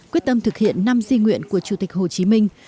quyết tâm thực hiện năm di nguyện của chủ tịch hồ chí minh